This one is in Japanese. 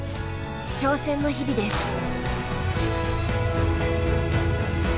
挑戦の日々です。